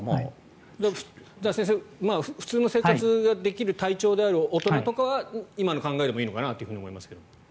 じゃあ、先生普通の生活ができる体調である大人とかは今の考えでもいいのかなと思いますけれど。